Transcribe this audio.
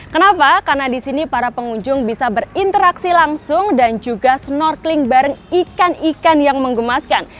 kenapa karena di sini para pengunjung bisa berinteraksi langsung dan juga snorkeling bareng ikan ikan yang mengemaskan